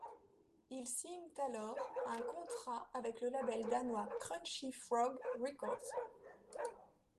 Ils signent alors un contrat avec le label danois Crunchy Frog Records.